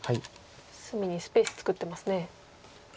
隅にスペース作ってますね。